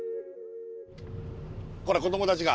ほら子どもたちが。